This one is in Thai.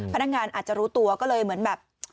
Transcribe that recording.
พนักงานอาจจะรู้ตัวก็เลยเหมือนแบบ